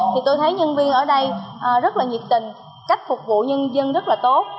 thì tôi thấy nhân viên ở đây rất là nhiệt tình cách phục vụ nhân dân rất là tốt